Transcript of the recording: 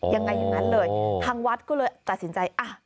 ยังไงอย่างนั้นเลยทางวัดก็เลยตัดสินใจ